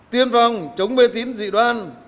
tiên phong chống mê tín dị đoan